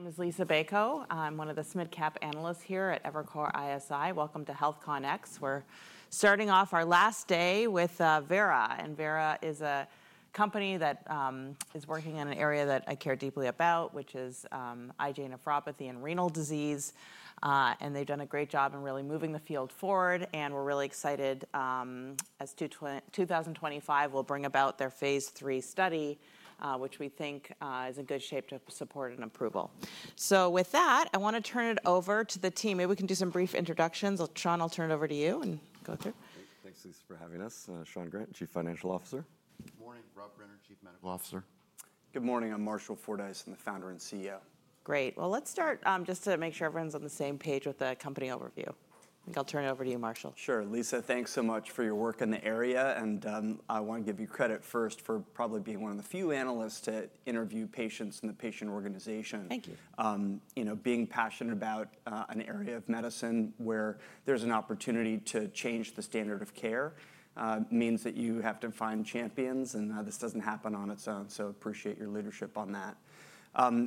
My name is Lisa Bayko. I'm one of the SMIDCAP analysts here at Evercore ISI. Welcome to HealthConX. We're starting off our last day with Vera. Vera is a company that is working in an area that I care deeply about, which is IgA nephropathy and renal disease. They've done a great job in really moving the field forward. We're really excited, as 2025 will bring about their phase 3 study, which we think is in good shape to support an approval. With that, I want to turn it over to the team. Maybe we can do some brief introductions. Sean, I'll turn it over to you and go through. Thanks, Lisa, for having us. Sean Grant, Chief Financial Officer. Good morning. Rob Brenner, Chief Medical Officer. Good morning. I'm Marshall Fordyce, the founder and CEO. Great. Well, let's start just to make sure everyone's on the same page with the company overview. I think I'll turn it over to you, Marshall. Sure. Lisa, thanks so much for your work in the area. And I want to give you credit first for probably being one of the few analysts to interview patients in the patient organization. Thank you. Being passionate about an area of medicine where there's an opportunity to change the standard of care means that you have to find champions. And this doesn't happen on its own. So appreciate your leadership on that.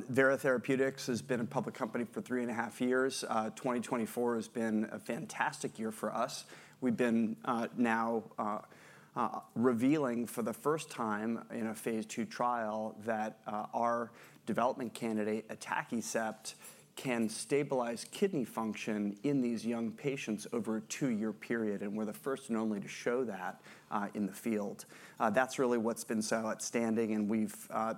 Vera Therapeutics has been a public company for three and a half years. 2024 has been a fantastic year for us. We've been now revealing for the first time in a phase two trial that our development candidate, atacicept, can stabilize kidney function in these young patients over a two-year period. And we're the first and only to show that in the field. That's really what's been so outstanding. And we've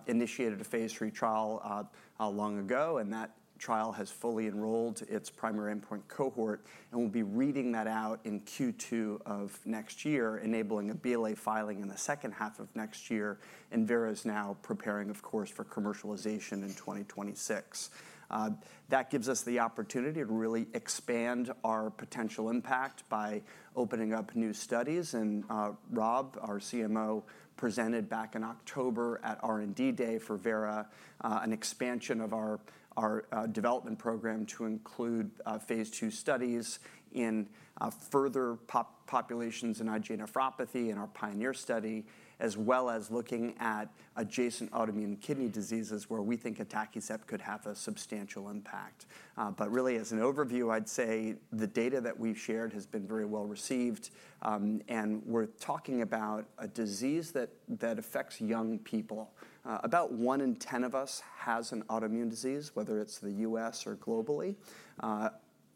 initiated a phase three trial long ago. And that trial has fully enrolled its primary endpoint cohort. And we'll be reading that out in Q2 of next year, enabling a BLA filing in the second half of next year. Vera is now preparing, of course, for commercialization in 2026. That gives us the opportunity to really expand our potential impact by opening up new studies. Rob, our CMO, presented back in October at R&D Day for Vera an expansion of our development program to include phase two studies in further populations in IgA nephropathy in our PIONEER study, as well as looking at adjacent autoimmune kidney diseases where we think atacicept could have a substantial impact. Really, as an overview, I'd say the data that we've shared has been very well received. We're talking about a disease that affects young people. About one in 10 of us has an autoimmune disease, whether it's the US or globally.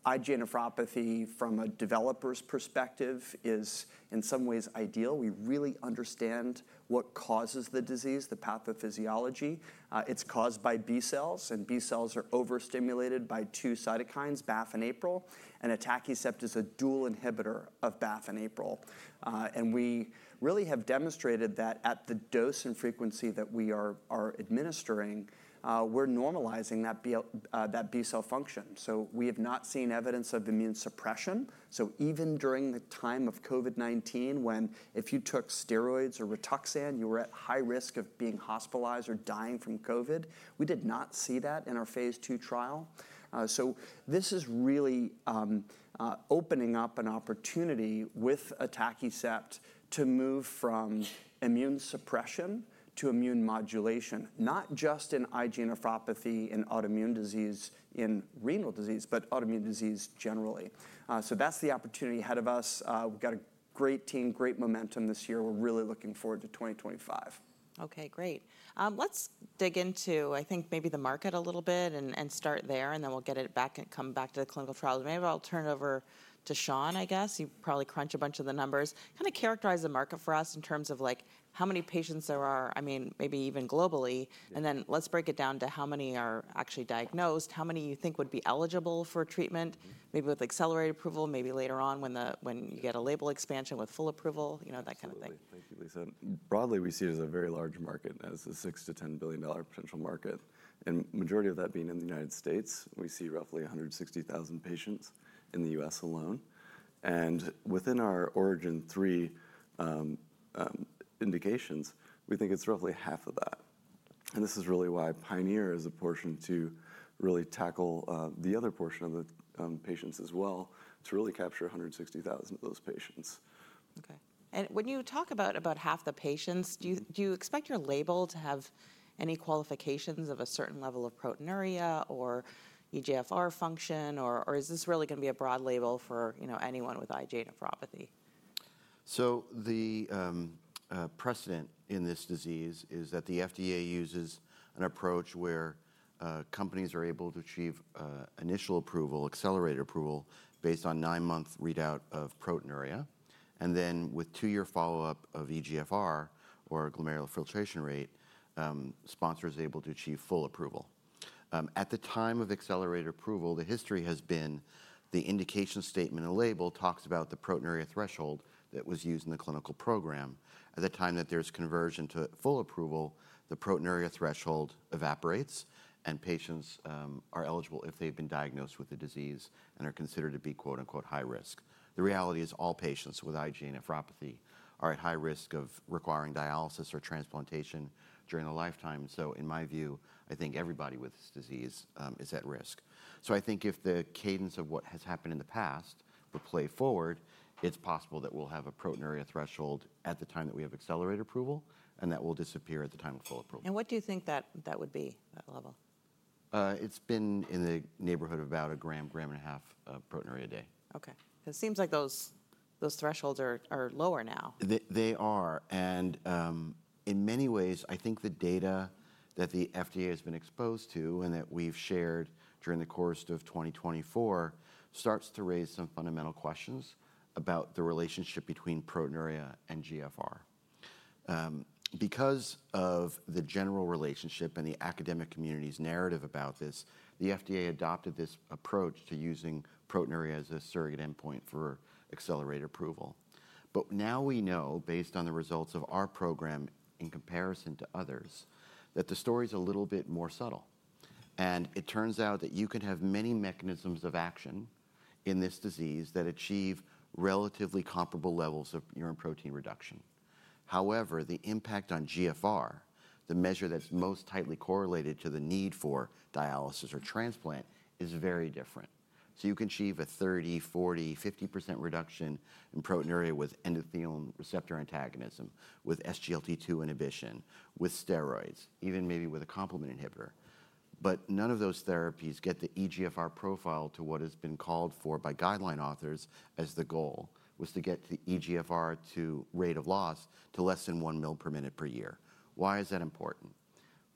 IgA nephropathy, from a developer's perspective, is in some ways ideal. We really understand what causes the disease, the pathophysiology. It's caused by B cells. B cells are overstimulated by two cytokines, BAFF and APRIL. Atacicept is a dual inhibitor of BAFF and APRIL. We really have demonstrated that at the dose and frequency that we are administering, we're normalizing that B cell function. We have not seen evidence of immune suppression. Even during the time of COVID-19, when if you took steroids or Rituxan, you were at high risk of being hospitalized or dying from COVID, we did not see that in our phase two trial. This is really opening up an opportunity with atacicept to move from immune suppression to immune modulation, not just in IgA nephropathy and autoimmune disease in renal disease, but autoimmune disease generally. That's the opportunity ahead of us. We've got a great team, great momentum this year. We're really looking forward to 2025. OK, great. Let's dig into, I think, maybe the market a little bit and start there. And then we'll get it back and come back to the clinical trials. Maybe I'll turn it over to Sean, I guess. He'll probably crunch a bunch of the numbers. Kind of characterize the market for us in terms of how many patients there are, I mean, maybe even globally. And then let's break it down to how many are actually diagnosed, how many you think would be eligible for treatment, maybe with accelerated approval, maybe later on when you get a label expansion with full approval, that kind of thing. Thank you, Lisa. Broadly, we see it as a very large market, as a $6-$10 billion potential market, and the majority of that being in the United States. We see roughly 160,000 patients in the U.S. alone, and within our ORIGIN 3 indications, we think it's roughly half of that, and this is really why PIONEER is a portion to really tackle the other portion of the patients as well to really capture 160,000 of those patients. OK. And when you talk about half the patients, do you expect your label to have any qualifications of a certain level of proteinuria or eGFR function? Or is this really going to be a broad label for anyone with IgA nephropathy? The precedent in this disease is that the FDA uses an approach where companies are able to achieve initial approval, accelerated approval, based on nine-month readout of proteinuria. And then with two-year follow-up of eGFR or glomerular filtration rate, sponsor is able to achieve full approval. At the time of accelerated approval, the history has been the indication statement and label talks about the proteinuria threshold that was used in the clinical program. At the time that there's conversion to full approval, the proteinuria threshold evaporates. And patients are eligible if they've been diagnosed with the disease and are considered to be "high risk." The reality is all patients with IgA nephropathy are at high risk of requiring dialysis or transplantation during their lifetime. So in my view, I think everybody with this disease is at risk. So I think if the cadence of what has happened in the past would play forward, it's possible that we'll have a proteinuria threshold at the time that we have accelerated approval and that will disappear at the time of full approval. What do you think that would be, that level? It's been in the neighborhood of about a gram, gram and a half of proteinuria a day. OK. It seems like those thresholds are lower now. They are. And in many ways, I think the data that the FDA has been exposed to and that we've shared during the course of 2024 starts to raise some fundamental questions about the relationship between proteinuria and GFR. Because of the general relationship and the academic community's narrative about this, the FDA adopted this approach to using proteinuria as a surrogate endpoint for accelerated approval. But now we know, based on the results of our program in comparison to others, that the story is a little bit more subtle. And it turns out that you can have many mechanisms of action in this disease that achieve relatively comparable levels of urine protein reduction. However, the impact on GFR, the measure that's most tightly correlated to the need for dialysis or transplant, is very different. You can achieve a 30%-50% reduction in proteinuria with endothelin receptor antagonism, with SGLT2 inhibition, with steroids, even maybe with a complement inhibitor. But none of those therapies get the eGFR profile to what has been called for by guideline authors as the goal, was to get the eGFR rate of loss to less than 1 mL/min/year. Why is that important?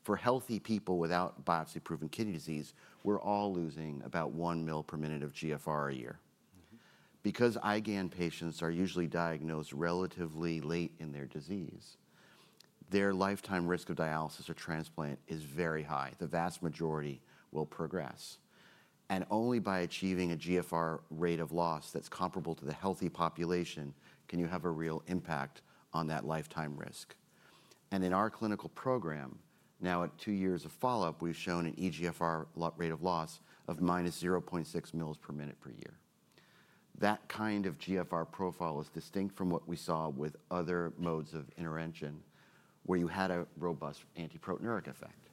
For healthy people without biopsy-proven kidney disease, we're all losing about 1 mL/min/year of GFR. Because IgA patients are usually diagnosed relatively late in their disease, their lifetime risk of dialysis or transplant is very high. The vast majority will progress. Only by achieving a GFR rate of loss that's comparable to the healthy population can you have a real impact on that lifetime risk. And in our clinical program, now at two years of follow-up, we've shown an eGFR rate of loss of minus 0.6 mL/min per year. That kind of GFR profile is distinct from what we saw with other modes of intervention where you had a robust antiproteinuric effect.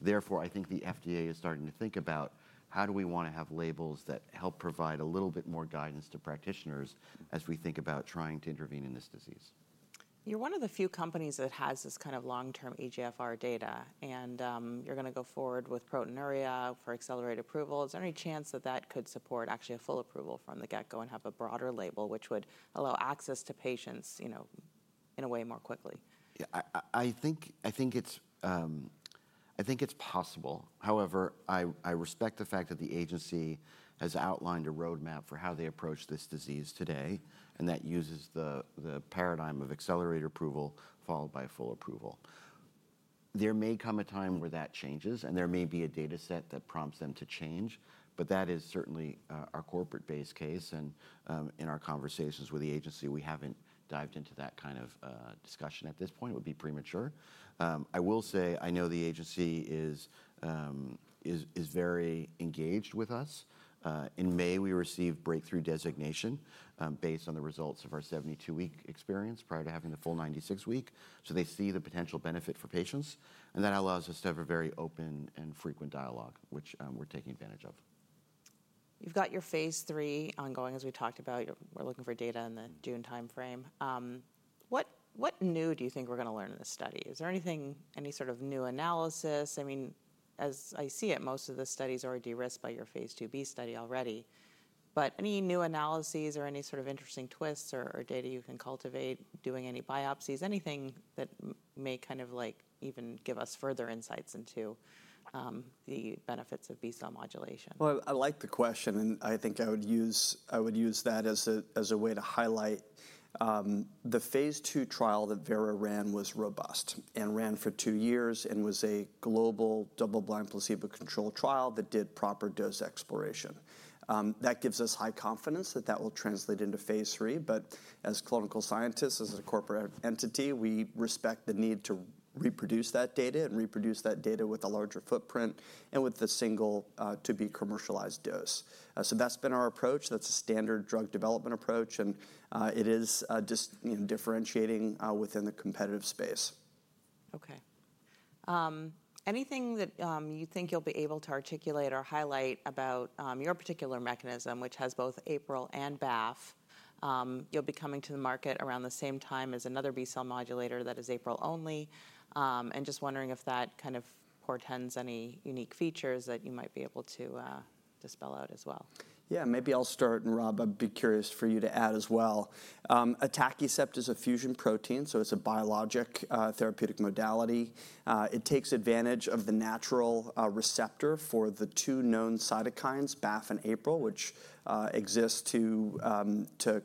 Therefore, I think the FDA is starting to think about how do we want to have labels that help provide a little bit more guidance to practitioners as we think about trying to intervene in this disease. You're one of the few companies that has this kind of long-term eGFR data. And you're going to go forward with proteinuria for accelerated approval. Is there any chance that that could support actually a full approval from the get-go and have a broader label, which would allow access to patients in a way more quickly? Yeah, I think it's possible. However, I respect the fact that the agency has outlined a roadmap for how they approach this disease today, and that uses the paradigm of accelerated approval followed by full approval. There may come a time where that changes, and there may be a data set that prompts them to change, but that is certainly our corporate base case. And in our conversations with the agency, we haven't dived into that kind of discussion at this point. It would be premature. I will say I know the agency is very engaged with us. In May, we received breakthrough designation based on the results of our 72-week experience prior to having the full 96-week, so they see the potential benefit for patients, and that allows us to have a very open and frequent dialogue, which we're taking advantage of. You've got your phase three ongoing, as we talked about. We're looking for data in the June time frame. What new do you think we're going to learn in this study? Is there any sort of new analysis? I mean, as I see it, most of the studies are de-risked by your phase two B study already. But any new analyses or any sort of interesting twists or data you can cultivate doing any biopsies, anything that may kind of even give us further insights into the benefits of B cell modulation? I like the question. I think I would use that as a way to highlight the phase two trial that Vera ran was robust and ran for two years and was a global double-blind placebo-controlled trial that did proper dose exploration. That gives us high confidence that that will translate into phase three. As clinical scientists, as a corporate entity, we respect the need to reproduce that data and reproduce that data with a larger footprint and with the single to be commercialized dose. That's been our approach. That's a standard drug development approach. It is just differentiating within the competitive space. OK. Anything that you think you'll be able to articulate or highlight about your particular mechanism, which has both APRIL and BAFF? You'll be coming to the market around the same time as another B cell modulator that is APRIL only. And just wondering if that kind of portends any unique features that you might be able to spell out as well. Yeah, maybe I'll start, and Rob, I'd be curious for you to add as well. Atacicept is a fusion protein. So it's a biologic therapeutic modality. It takes advantage of the natural receptor for the two known cytokines, BAFF and APRIL, which exist to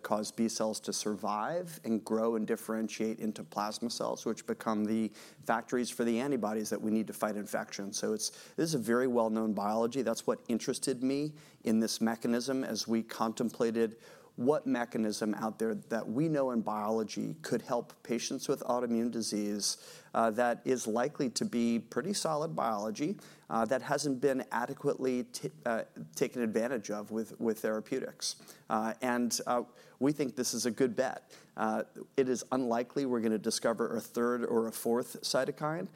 cause B cells to survive and grow and differentiate into plasma cells, which become the factories for the antibodies that we need to fight infection. So this is a very well-known biology. That's what interested me in this mechanism as we contemplated what mechanism out there that we know in biology could help patients with autoimmune disease that is likely to be pretty solid biology that hasn't been adequately taken advantage of with therapeutics. And we think this is a good bet. It is unlikely we're going to discover a third or a fourth cytokine.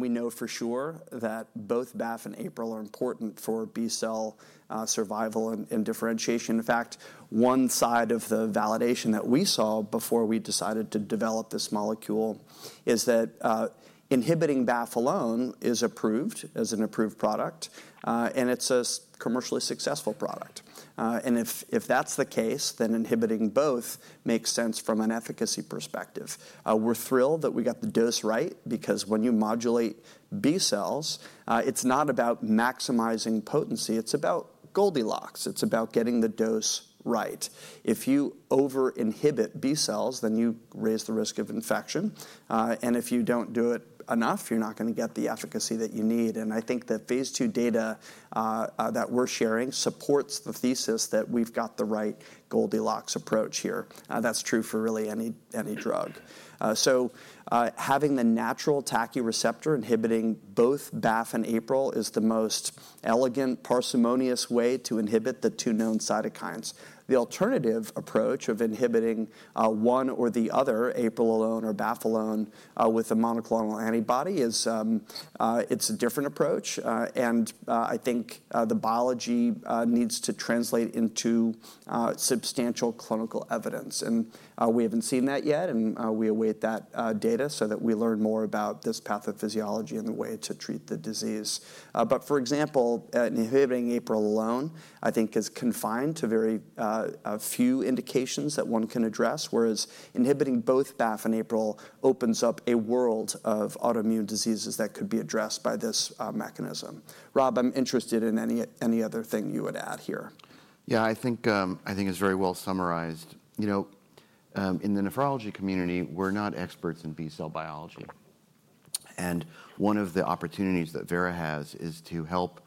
We know for sure that both BAFF and APRIL are important for B cell survival and differentiation. In fact, one side of the validation that we saw before we decided to develop this molecule is that inhibiting BAFF alone is approved as an approved product. It's a commercially successful product. If that's the case, then inhibiting both makes sense from an efficacy perspective. We're thrilled that we got the dose right. Because when you modulate B cells, it's not about maximizing potency. It's about Goldilocks. It's about getting the dose right. If you over-inhibit B cells, then you raise the risk of infection. And if you don't do it enough, you're not going to get the efficacy that you need. I think the phase 2 data that we're sharing supports the thesis that we've got the right Goldilocks approach here. That's true for really any drug. Having the natural TACI receptor inhibiting both BAFF and APRIL is the most elegant, parsimonious way to inhibit the two known cytokines. The alternative approach of inhibiting one or the other, APRIL alone or BAFF alone with a monoclonal antibody, it's a different approach. And I think the biology needs to translate into substantial clinical evidence. And we haven't seen that yet. And we await that data so that we learn more about this pathophysiology and the way to treat the disease. But for example, inhibiting APRIL alone, I think, is confined to very few indications that one can address, whereas inhibiting both BAFF and APRIL opens up a world of autoimmune diseases that could be addressed by this mechanism. Rob, I'm interested in any other thing you would add here. Yeah, I think it's very well summarized. In the nephrology community, we're not experts in B cell biology, and one of the opportunities that Vera has is to help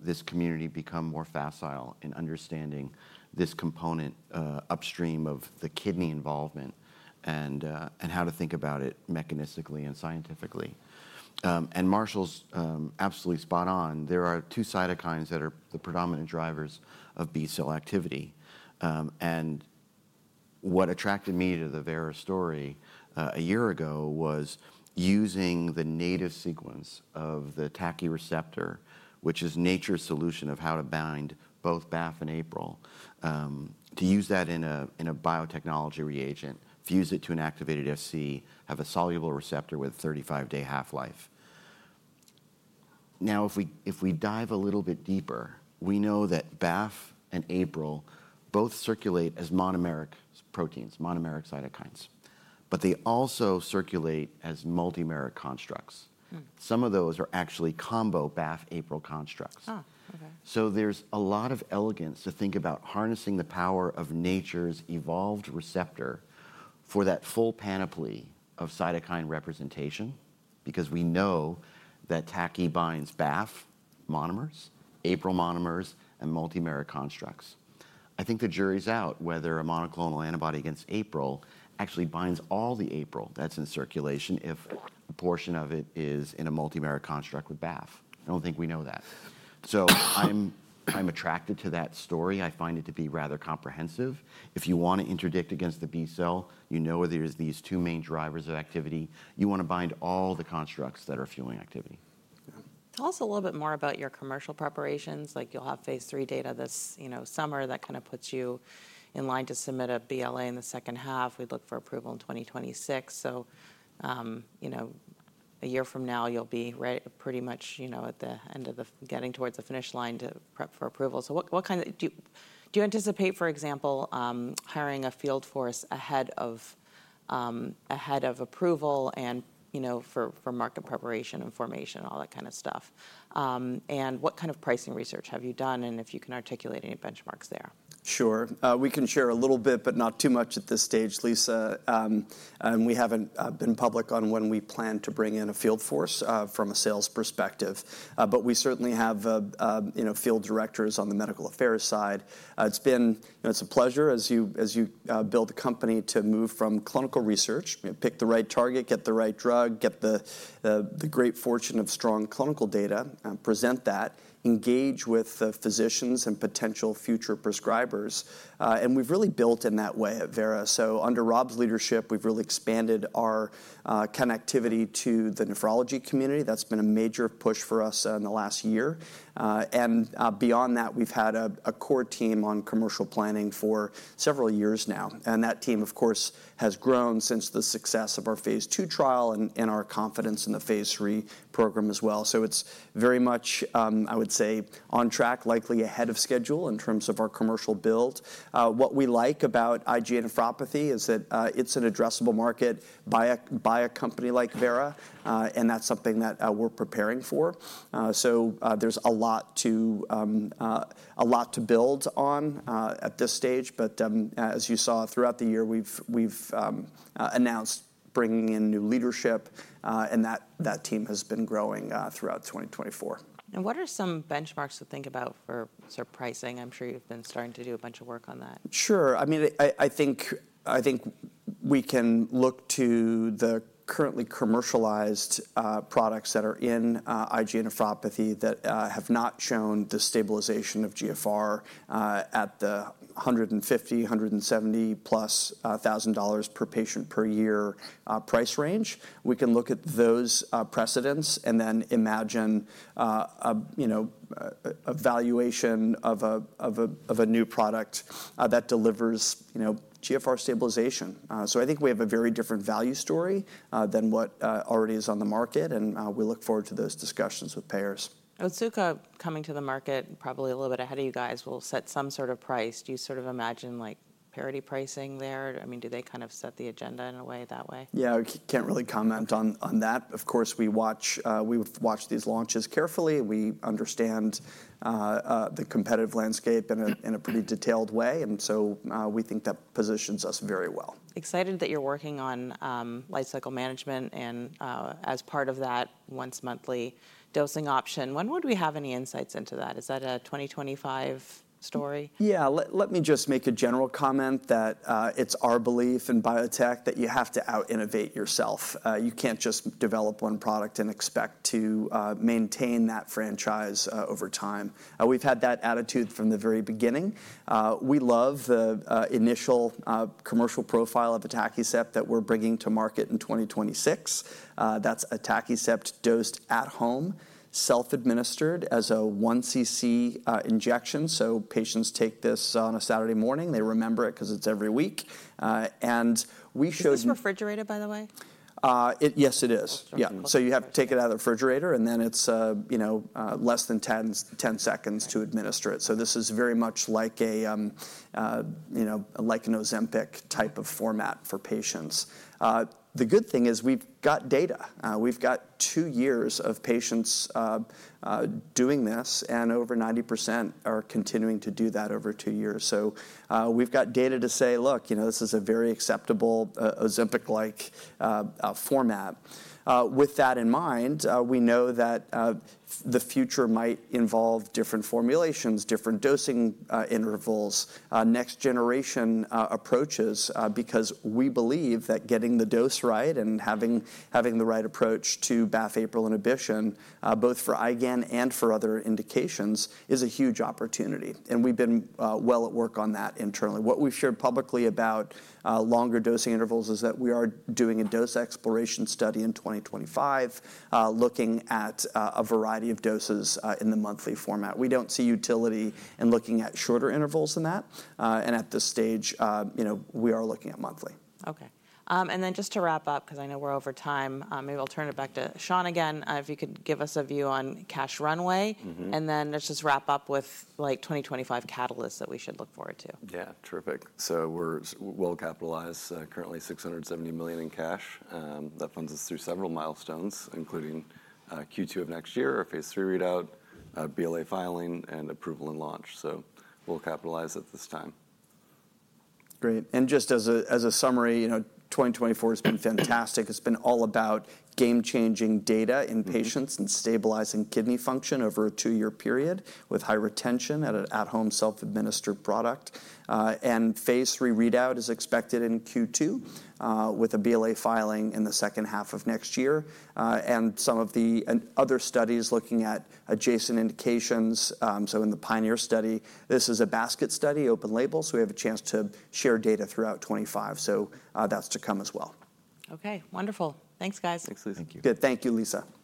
this community become more facile in understanding this component upstream of the kidney involvement and how to think about it mechanistically and scientifically, and Marshall's absolutely spot on. There are two cytokines that are the predominant drivers of B cell activity, and what attracted me to the Vera story a year ago was using the native sequence of the TACI receptor, which is nature's solution of how to bind both BAFF and APRIL, to use that in a biotechnology reagent, fuse it to an activated Fc, have a soluble receptor with a 35-day half-life. Now, if we dive a little bit deeper, we know that BAFF and APRIL both circulate as monomeric proteins, monomeric cytokines. But they also circulate as multimeric constructs. Some of those are actually combo BAFF-APRIL constructs. So there's a lot of elegance to think about harnessing the power of nature's evolved receptor for that full panoply of cytokine representation because we know that TACI binds BAFF monomers, APRIL monomers, and multimeric constructs. I think the jury's out whether a monoclonal antibody against APRIL actually binds all the APRIL that's in circulation if a portion of it is in a multimeric construct with BAFF. I don't think we know that. So I'm attracted to that story. I find it to be rather comprehensive. If you want to interdict against the B cell, you know there are these two main drivers of activity. You want to bind all the constructs that are fueling activity. Tell us a little bit more about your commercial preparations. You'll have phase 3 data this summer that kind of puts you in line to submit a BLA in the second half. We'd look for approval in 2026. So a year from now, you'll be pretty much at the end of getting towards the finish line to prep for approval. So do you anticipate, for example, hiring a field force ahead of approval and for market preparation and formation, all that kind of stuff? And what kind of pricing research have you done? And if you can articulate any benchmarks there. Sure. We can share a little bit, but not too much at this stage, Lisa. And we haven't been public on when we plan to bring in a field force from a sales perspective. But we certainly have field directors on the medical affairs side. It's a pleasure, as you build a company, to move from clinical research, pick the right target, get the right drug, get the great fortune of strong clinical data, present that, engage with physicians and potential future prescribers. And we've really built in that way at Vera. So under Rob's leadership, we've really expanded our connectivity to the nephrology community. That's been a major push for us in the last year. And beyond that, we've had a core team on commercial planning for several years now. That team, of course, has grown since the success of our phase two trial and our confidence in the phase three program as well. It's very much, I would say, on track, likely ahead of schedule in terms of our commercial build. What we like about IgA nephropathy is that it's an addressable market by a company like Vera. That's something that we're preparing for. There's a lot to build on at this stage. As you saw, throughout the year, we've announced bringing in new leadership. That team has been growing throughout 2024. What are some benchmarks to think about for pricing? I'm sure you've been starting to do a bunch of work on that. Sure. I mean, I think we can look to the currently commercialized products that are in IgA nephropathy that have not shown the stabilization of GFR at the $150,000-$170,000 plus per patient per year price range. We can look at those precedents and then imagine a valuation of a new product that delivers GFR stabilization. So I think we have a very different value story than what already is on the market. And we look forward to those discussions with payers. Otsuka coming to the market probably a little bit ahead of you guys will set some sort of price. Do you sort of imagine parity pricing there? I mean, do they kind of set the agenda in a way that way? Yeah, I can't really comment on that. Of course, we watch these launches carefully. We understand the competitive landscape in a pretty detailed way, and so we think that positions us very well. Excited that you're working on life cycle management and as part of that once-monthly dosing option. When would we have any insights into that? Is that a 2025 story? Yeah, let me just make a general comment that it's our belief in biotech that you have to out-innovate yourself. You can't just develop one product and expect to maintain that franchise over time. We've had that attitude from the very beginning. We love the initial commercial profile of atacicept that we're bringing to market in 2026. That's atacicept dosed at home, self-administered as a 1 cc injection. So patients take this on a Saturday morning. They remember it because it's every week. And we showed. Is this refrigerated, by the way? Yes, it is. Yeah. So you have to take it out of the refrigerator. And then it's less than 10 seconds to administer it. So this is very much like an Ozempic type of format for patients. The good thing is we've got data. We've got two years of patients doing this. And over 90% are continuing to do that over two years. So we've got data to say, look, this is a very acceptable Ozempic-like format. With that in mind, we know that the future might involve different formulations, different dosing intervals, next-generation approaches. Because we believe that getting the dose right and having the right approach to BAFF, APRIL, and inhibition, both for IgA and for other indications, is a huge opportunity. And we've been well at work on that internally. What we've shared publicly about longer dosing intervals is that we are doing a dose exploration study in 2025, looking at a variety of doses in the monthly format. We don't see utility in looking at shorter intervals than that, and at this stage, we are looking at monthly. OK. And then just to wrap up, because I know we're over time, maybe I'll turn it back to Sean again. If you could give us a view on cash runway. And then let's just wrap up with 2025 catalysts that we should look forward to. Yeah, terrific. So we're well capitalized, currently $670 million in cash. That funds us through several milestones, including Q2 of next year, our phase 3 readout, BLA filing, and approval and launch. So we'll capitalize at this time. Great. And just as a summary, 2024 has been fantastic. It's been all about game-changing data in patients and stabilizing kidney function over a two-year period with high retention at an at-home self-administered product. And phase three readout is expected in Q2 with a BLA filing in the second half of next year. And some of the other studies looking at adjacent indications, so in the PIONEER study, this is a basket study, open label. So we have a chance to share data throughout 2025. So that's to come as well. OK, wonderful. Thanks, guys. Thanks, Lisa. Thank you. Thank you, Lisa.